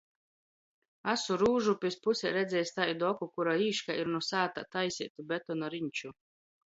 Asu Rūžupis pusē redziejs taidu oku, kura īškā ir nu sātā taiseitu betona riņču.